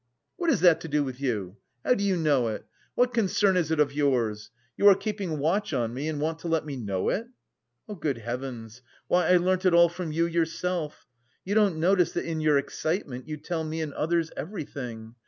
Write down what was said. "What has that to do with you? How do you know it? What concern is it of yours? You are keeping watch on me and want to let me know it?" "Good heavens! Why, I learnt it all from you yourself! You don't notice that in your excitement you tell me and others everything.